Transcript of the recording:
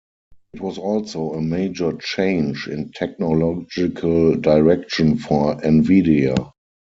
It was also a major change in technological direction for Nvidia.